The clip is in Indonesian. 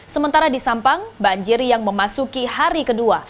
sementara di sampang banjir yang memasuki hari kedua